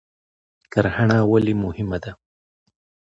کرهڼه ولې مهمه ده؟